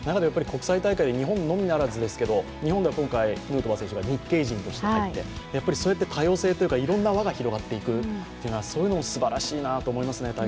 国際大会で日本のみならずですけど、日本では今回、ヌートバー選手が日系人として入って、そういう多様性というか、いろんな輪が広がっていくのは大会としてすばらしいですね。